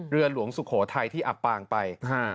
เรือหลวงสุโขทัยที่อับปางไป